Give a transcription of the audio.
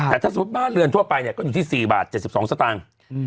แต่ถ้าสมมุติบ้านเรือนทั่วไปเนี่ยก็อยู่ที่๔บาท๗๒สตางค์